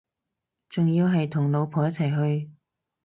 仲要係同老婆一齊去